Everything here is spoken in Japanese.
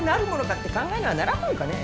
って考えにはならんもんかね。